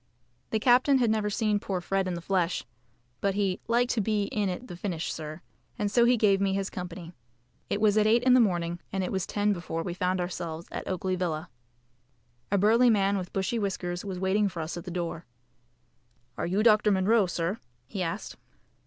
The captain had never seen poor Fred in the flesh, but he "liked to be in at the finish, sir," and so he gave me his company. It was at eight in the morning, and it was ten before we found ourselves at Oakley Villa. A burly man with bushy whiskers was waiting for us at the door. "Are you Dr. Munro, sir?" he asked.